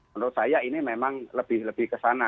menurut saya ini memang lebih ke sana